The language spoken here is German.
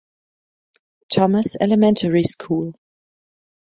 Thomas Elementary School".